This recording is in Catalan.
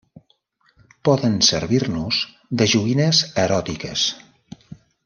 Poden servir-nos de joguines eròtiques.